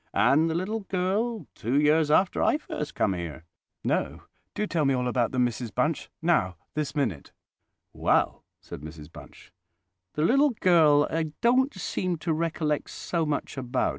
and the little girl, two years after I first come here?" "No. Do tell me all about them, Mrs Bunch—now, this minute!" "Well," said Mrs Bunch, "the little girl I don't seem to recollect so much about.